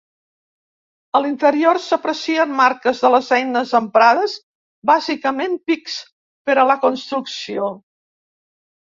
A l'interior s'aprecien marques de les eines emprades -bàsicament pics- per a la construcció.